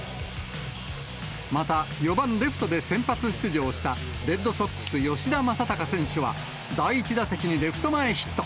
また、４番レフトで先発出場したレッドソックス、吉田正尚選手は、第１打席にレフト前ヒット。